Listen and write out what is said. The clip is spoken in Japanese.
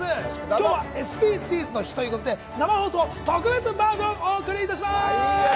今日はＳＤＧｓの日ということで生放送、特別バージョンをお送りいたします。